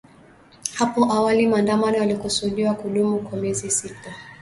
Hapo awali maandamano yalikusudiwa kudumu kwa miezi sita.